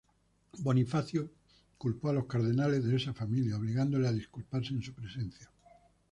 Bonifacio culpó a los cardenales de esa familia, obligándoles a disculparse en su presencia.